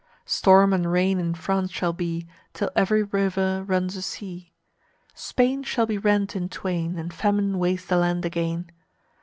Storm and rain in France shall be, Till every river runs a sea. Spain shall be rent in twain, And famine waste the land again.